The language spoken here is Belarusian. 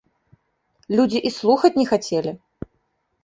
Людзі і слухаць не хацелі.